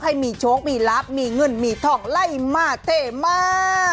ให้มีโชคมีลับมีเงินมีทองไล่มาเท่มา